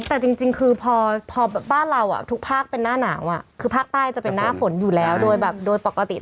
แต่จริงคือพอบ้านเราทุกภาคเป็นหน้าหนาวคือภาคใต้จะเป็นหน้าฝนอยู่แล้วโดยแบบโดยปกติ